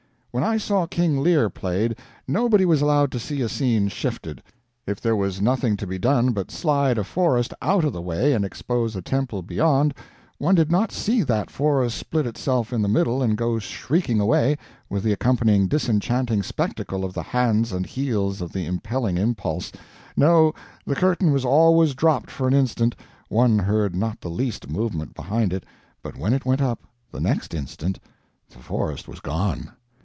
When I saw "King Lear" played, nobody was allowed to see a scene shifted; if there was nothing to be done but slide a forest out of the way and expose a temple beyond, one did not see that forest split itself in the middle and go shrieking away, with the accompanying disenchanting spectacle of the hands and heels of the impelling impulse no, the curtain was always dropped for an instant one heard not the least movement behind it but when it went up, the next instant, the forest was gone.